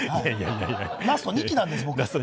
ラスト２機なんです。